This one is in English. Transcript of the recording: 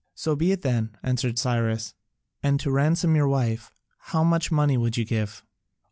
"So be it then," answered Cyrus, "and to ransom your wife, how much money would you give?"